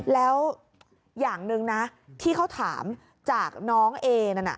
แล้วอย่างหนึ่งนะที่เขาถามจากน้องเอนั่นน่ะ